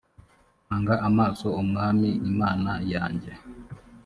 mpanga amaso umwami imana yanjye